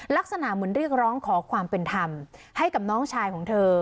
ลักษณะเหมือนเรียกร้องขอความเป็นธรรมให้กับน้องชายของเธอ